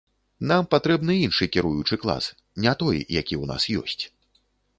Нам патрэбны іншы кіруючы клас, не той, які ў нас ёсць.